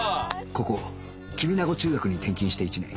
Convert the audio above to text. ここ黍名子中学に転勤して１年